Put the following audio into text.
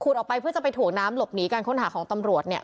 ออกไปเพื่อจะไปถ่วงน้ำหลบหนีการค้นหาของตำรวจเนี่ย